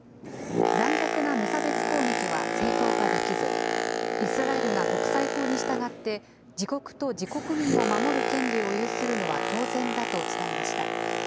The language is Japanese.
残虐な無差別攻撃は正当化できず、イスラエルが国際法に従って、自国と自国民を守る権利を有するのは当然だと伝えました。